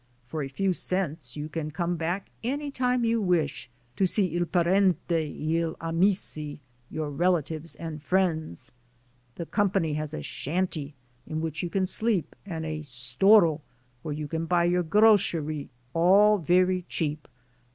For a few cents you can come back any time you wish, to see 'i parenti e gli amici,' your relatives and friends. The company has a 'shantee' in which you can sleep, and a 'storo' where you can buy your 'grosserie' all very cheap.